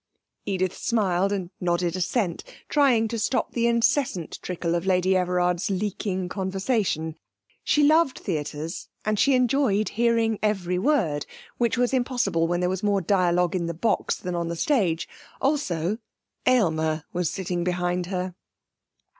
Edith smiled and nodded assent, trying to stop the incessant trickle of Lady Everard's leaking conversation. She loved theatres, and she enjoyed hearing every word, which was impossible while there was more dialogue in the box than on the stage; also, Aylmer was sitting behind her.